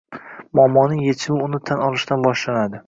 Muammoning echimi uni tan olishdan boshlanadi